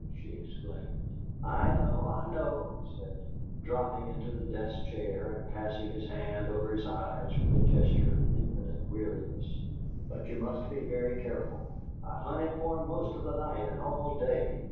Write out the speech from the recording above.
she exclaimed. "I know, I know," he said, dropping into the desk chair and passing his hand over his eyes with a gesture of infinite weariness. "But you must be very careful. I hunted for him most of the night and all day.